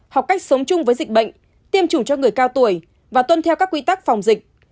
học cách sống chung với dịch bệnh tiêm chủng cho người cao tuổi và tuân theo các quy tắc phòng dịch